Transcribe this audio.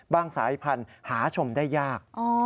สายพันธุ์หาชมได้ยาก